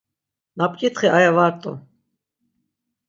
Na p̌ǩitxi aya va rt̆u.